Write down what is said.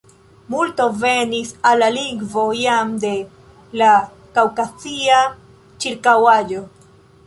Multo venis al la lingvo jam de la kaŭkazia ĉirkaŭaĵo.